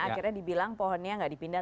akhirnya dibilang pohonnya nggak dipindah